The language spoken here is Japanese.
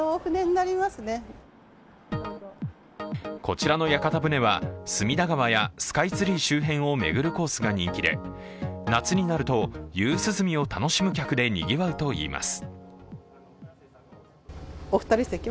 こちらの屋形船は隅田川やスカイツリー周辺を巡るコースが人気で夏になると夕涼みを楽しむ客でにぎわうといいます。